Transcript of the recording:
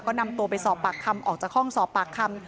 ก็นำตัวไปสอบปากคำออกจากห้องสอบปากคำ